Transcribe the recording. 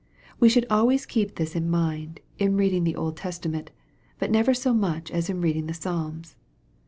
We should always keep this in mind, in reading the Old Testament, but never so much as in reading the Psalms.